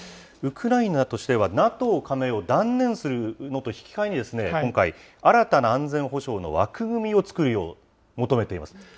ウクライナとしては、ＮＡＴＯ加盟を断念するのと引き換えに今回、新たな安全保障の枠組みを作るよう求めています。